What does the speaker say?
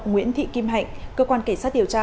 nguyễn thị kim hạnh cơ quan cảnh sát điều tra